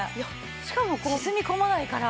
しかも沈み込まないから。